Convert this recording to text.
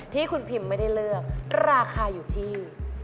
ที่คุณพิมไม่ได้เลือกราคาอยู่ที่